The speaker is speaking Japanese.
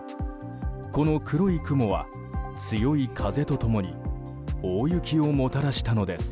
この黒い雲は強い風と共に大雪をもたらしたのです。